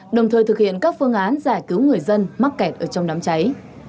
đồng thời thực hiện các phương án giải cứu người dân mắc kẹt ở trong đám cháy